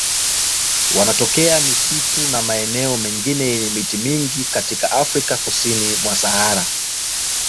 Wanatokea misitu na maeneo mengine yenye miti katika Afrika kusini kwa Sahara.